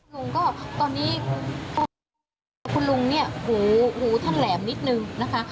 ลุงก็ตอนนี้คุณลุงเนี่ยหูท่านแหลมนิดนึงนะคะ